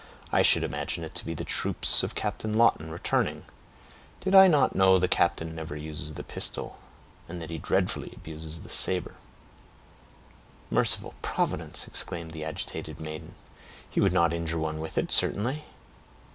"I should imagine it to be the troop of Captain Lawton returning, did I not know the captain never uses the pistol, and that he dreadfully abuses the saber." "Merciful providence!" exclaimed the agitated maiden, "he would not injure one with it, certainly."